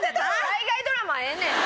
海外ドラマはええねん！